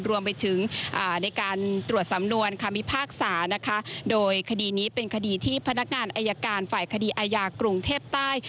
รวมไปถึงในการตรวจสำนวนคำพิพากษานะคะโดยคดีนี้เป็นคดีที่พนักงานอายการฝ่ายคดีอาญากรุงเทพใต้